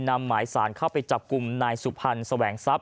หมายสารเข้าไปจับกลุ่มนายสุพรรณแสวงทรัพย